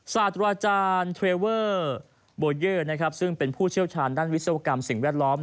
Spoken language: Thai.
ศาสตราจารย์เทรเวอร์โบเยอร์นะครับซึ่งเป็นผู้เชี่ยวชาญด้านวิศวกรรมสิ่งแวดล้อม